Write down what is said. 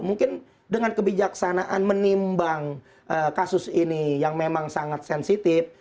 mungkin dengan kebijaksanaan menimbang kasus ini yang memang sangat sensitif